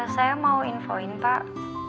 saya mau infoin pak